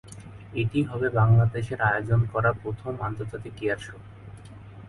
এটিই হবে বাংলাদেশে আয়োজন করা প্রথম আন্তর্জাতিক এয়ার শো।